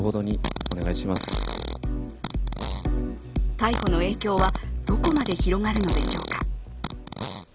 逮捕の影響はどこまで広がるのでしょうか。